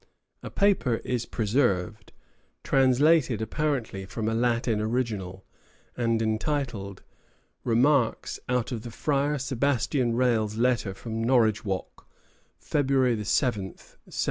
A paper is preserved, translated apparently from a Latin original, and entitled, "Remarks out of the Fryar Sebastian Rale's Letter from Norridgewock, February 7, 1720."